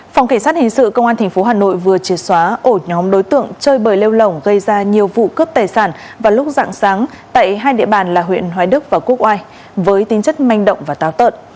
phòng cảnh sát hình sự công an tp hà nội vừa triệt xóa ổ nhóm đối tượng chơi bời lêu lỏng gây ra nhiều vụ cướp tài sản vào lúc dạng sáng tại hai địa bàn là huyện hoài đức và quốc oai với tính chất manh động và táo tợn